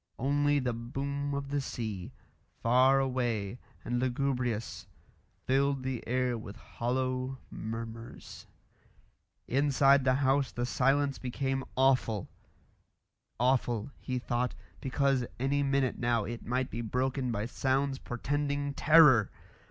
Only the boom of the sea, far away and lugubrious, filled the air with hollow murmurs. Inside the house the silence became awful; awful, he thought, because any minute now it might be broken by sounds portending terror.